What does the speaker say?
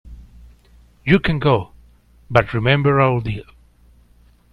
You can go, but remember our deal.